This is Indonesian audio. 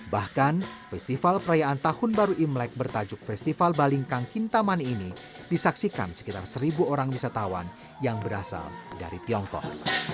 bahkan festival perayaan tahun baru imlek bertajuk festival balingkang kintaman ini disaksikan sekitar seribu orang wisatawan yang berasal dari tiongkok